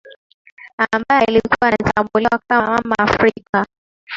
ambaye alikuwa anatambuliwa kama mama afrika